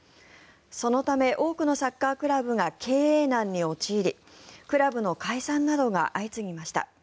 そのため多くのサッカークラブが経営難に陥りクラブの解散などが相次ぎました。